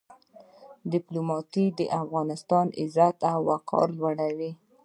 ډيپلومات د وطن عزت او وقار لوړوي.